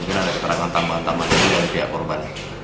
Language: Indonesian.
mungkin ada keterangan tambahan tambahan dari pihak korban